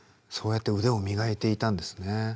そうやって腕を磨いていたんですね。